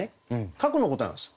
過去のことなんです。